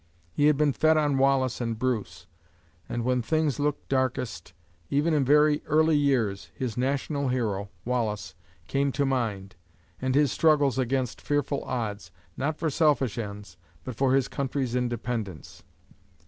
He had been fed on Wallace and Bruce, and when things looked darkest, even in very early years, his national hero, Wallace, came to mind, and his struggles against fearful odds, not for selfish ends, but for his country's independence.